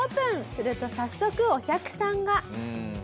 すると早速お客さんが。